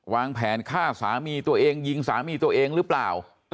วางแผนฆ่าสามีตัวเองยิงสามีตัวเองหรือเปล่า